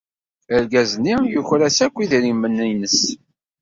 Argaz-nni yuker-as akk idrimen-nnes.